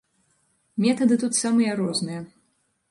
Метады тут самыя розныя.